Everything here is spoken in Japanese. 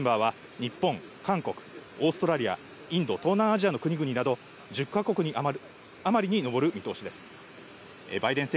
発足メンバーは日本、韓国、オーストラリア、インド、東南アジアの国々など１０か国あまりにのぼる見通しです。